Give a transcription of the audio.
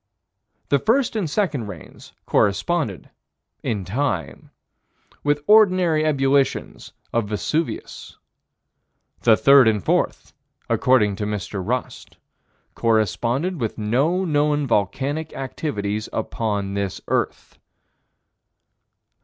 The first and second rains corresponded, in time, with ordinary ebullitions of Vesuvius. The third and fourth, according to Mr. Rust, corresponded with no known volcanic activities upon this earth.